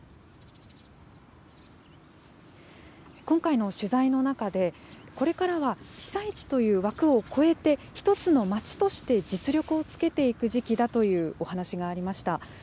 今回の取材の中で、これからは被災地という枠を越えて、一つの町として実力をつけていく時期だというお話がありました。